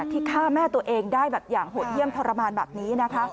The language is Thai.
ที่ฆ่าแม่ตัวเองได้แบบอย่างโหดเยี่ยมทรมานแบบนี้นะคะ